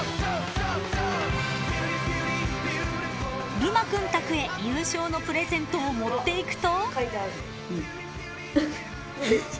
［るま君宅へ優勝のプレゼントを持っていくと］